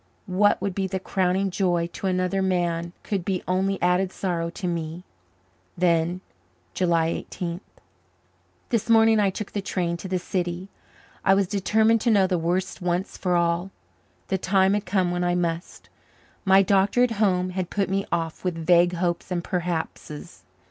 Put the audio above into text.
What would be the crowning joy to another man could be only added sorrow to me. Then: July Eighteenth. This morning I took the train to the city. I was determined to know the worst once for all. The time had come when I must. My doctor at home had put me off with vague hopes and perhapses.